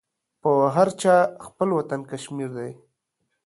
په هر چا خپل وطن کشمير ده.